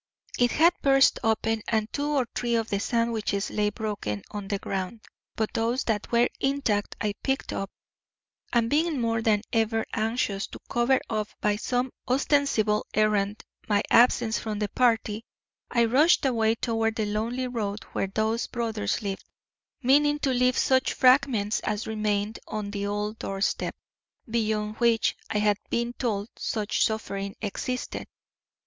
It had burst open and two or three of the sandwiches lay broken on the ground. But those that were intact I picked up, and being more than ever anxious to cover up by some ostensible errand my absence from the party, I rushed away toward the lonely road where these brothers lived, meaning to leave such fragments as remained on the old doorstep, beyond which I had been told such suffering existed.